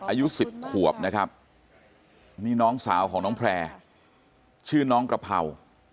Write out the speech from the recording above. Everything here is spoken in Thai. อายุ๑๐ขวบนะครับนี่น้องสาวของน้องแพร่ชื่อน้องกระเพรา